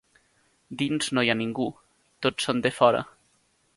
Dins no hi ha ningú: tots són defora.